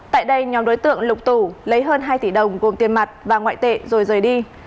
tại đây nhóm đối tượng lục tủ lấy hơn hai tỷ đồng gồm tiền mặt và ngoại tệ rồi rời đi